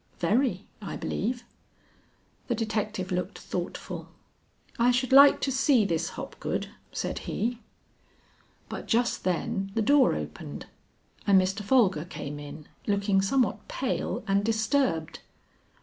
"Very, I believe." The detective looked thoughtful. "I should like to see this Hopgood," said he. But just then the door opened and Mr. Folger came in, looking somewhat pale and disturbed.